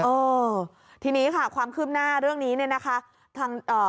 โอ้ทีนี้ค่ะความคืบหน้าเรื่องนี้เนี่ยนะคะ